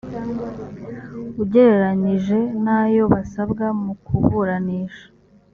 ugereranije n ayo basabwa mu kuburanisha